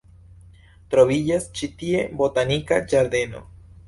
Troviĝas ĉi tie botanika ĝardeno.